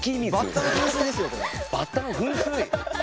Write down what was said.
バッタの噴水？